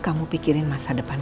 kamu pikirin masa depan